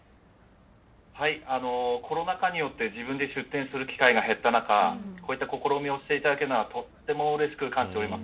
コロナ禍によって、自分で出店する機会が減った中、こういった試みをしていただけるのは、とってもうれしく感じております。